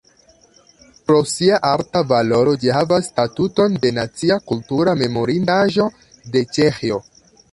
Pro sia arta valoro ĝi havas statuton de nacia kultura memorindaĵo de Ĉeĥio.